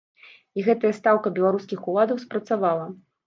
І гэтая стаўка беларускіх уладаў спрацавала.